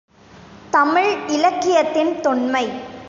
தமிழ் இலக்கியத்தின் தொன்மை.